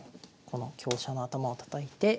この香車の頭をたたいて。